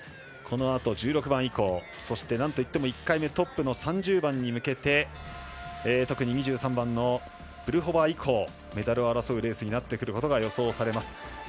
このあと１６番以降そして、なんといっても１回目トップの３０番に向けて特に２３番のブルホバー以降メダルを争うことが予想されます。